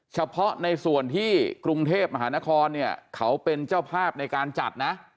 เฉพาะในส่วนที่กรุงเทพมหานครเนี่ยเขาเป็นเจ้าภาพในการจัดนะ